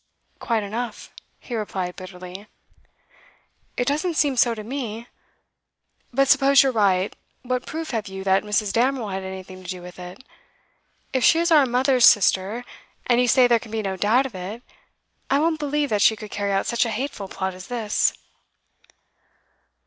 'Quite enough,' he replied bitterly. 'It doesn't seem so to me. But suppose you're right, what proof have you that Mrs. Damerel had anything to do with it? If she is our mother's sister and you say there can be no doubt of it I won't believe that she could carry out such a hateful plot as this.